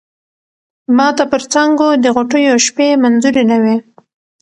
ماته پر څانگو د غوټیو شپې منظوری نه وې